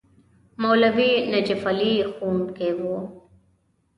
مولوي نجف علي ښوونکی وو.